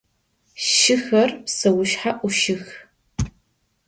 Шыхэр псэушъхьэ ӏушых.